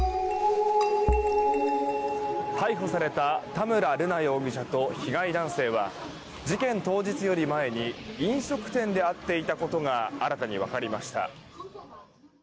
逮捕された田村瑠奈容疑者と被害男性は事件当日より前に飲食店で会っていたことが新たにわかりました。